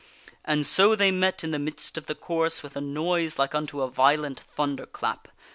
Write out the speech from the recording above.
And so they met in the midst of the course with a noise like unto a violent thunder clap.